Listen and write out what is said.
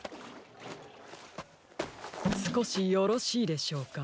すこしよろしいでしょうか。